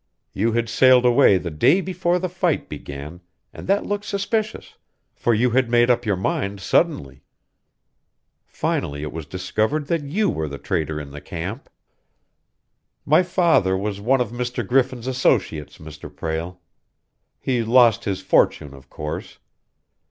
You had sailed away the day before the fight began, and that looked suspicious, for you had made up your mind suddenly. Finally it was discovered that you were the traitor in the camp! "My father was one of Mr. Griffin's associates, Mr. Prale. He lost his fortune, of course.